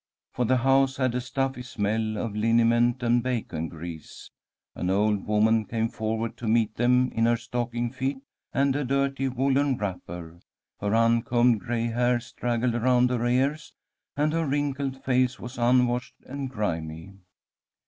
For the house had a stuffy smell of liniment and bacon grease. An old woman came forward to meet them in her stocking feet and a dirty woollen wrapper. Her uncombed gray hair straggled around her ears, and her wrinkled face was unwashed and grimy.